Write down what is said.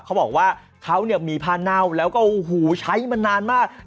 เขาบอกว่าเขาเนี่ยมีผ้าเน่าแล้วก็โอ้โหใช้มานานมาก